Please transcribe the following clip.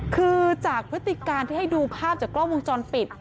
คือจากพฤติการที่ให้ดูภาพจากกล้องวงจรปิด